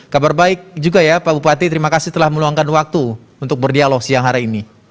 kabar baik juga ya pak bupati terima kasih telah meluangkan waktu untuk berdialog siang hari ini